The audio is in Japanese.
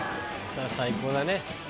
最高だね。